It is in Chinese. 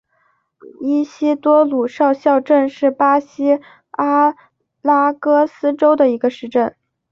伊西多鲁少校镇是巴西阿拉戈斯州的一个市镇。